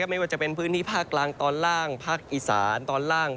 ไม่ว่าจะเป็นพื้นที่ภาคกลางตอนล่างภาคอีสานตอนล่าง